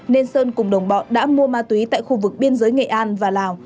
nên sơn cùng đồng bọn đã mua ma túy tại khu vực biên giới nghệ an và lào